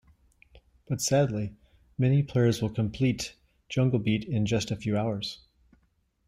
But sadly, many players will complete "Jungle Beat" in just a few hours.